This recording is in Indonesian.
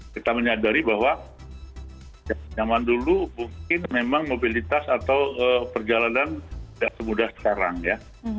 kita menyadari bahwa zaman dulu mungkin memang mobilitas atau perjalanan tidak semudah sekarang ya